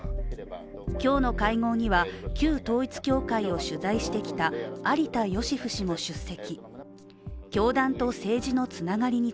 今日の会合には旧統一教会を取材してきた有田芳生氏も出席。